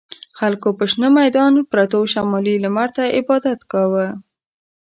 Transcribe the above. خلکو په شنه میدان پروتو شمالي لمر ته عبادت کاوه.